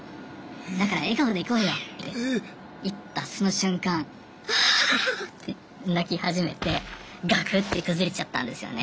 だから笑顔でいこうよ」って言ったその瞬間わあって泣き始めてがくって崩れちゃったんですよね。